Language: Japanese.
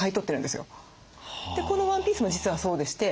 このワンピースも実はそうでして。